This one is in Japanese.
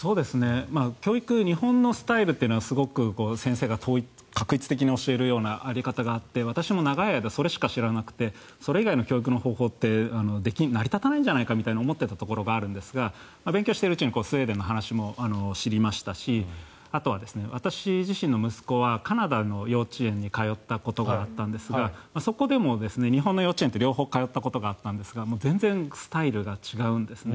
教育、日本のスタイルはすごく先生が画一的に教えるようなやり方があって私も長い間、それしか知らなくてそれ以外の教育の方法って成り立たないんじゃないかと思っていたところがあるんですが勉強しているうちにスウェーデンの話も知りましたしあとは私自身の息子はカナダの幼稚園に通ったことがあったんですがそこでも、日本の幼稚園と両方通ったことがあるんですが全然スタイルが違うんですね。